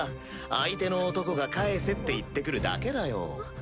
相手の男が返せって言ってくるだけだよ。